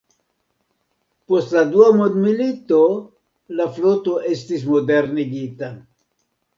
Post la Dua mondmilito, la floto estis modernigita.